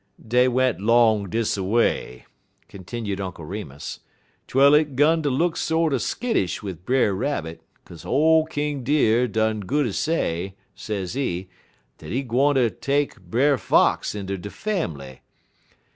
"Dey went 'long dis a way," continued Uncle Remus, "twel it 'gun ter look sorter skittish wid Brer Rabbit, kaze ole King Deer done good ez say, sezee, dat he gwine ter take Brer Fox inter de fambly.